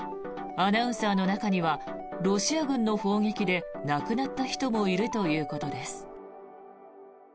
アナウンサーの中にはロシア軍の砲撃で亡くなった人もいるということです。